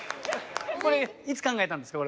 これいつ考えたんですか？